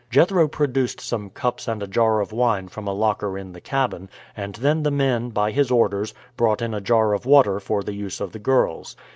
Jethro produced some cups and a jar of wine from a locker in the cabin, and then the men, by his orders, brought in a jar of water for the use of the girls.